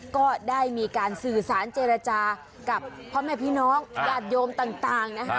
ก็ได้มีการสื่อสารเจรจากับพ่อแม่พี่น้องญาติโยมต่างนะคะ